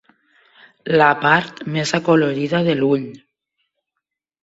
La part més acolorida de l'ull.